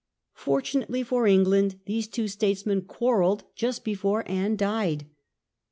Fortunately for England these two states men quarrelled just before Anne died.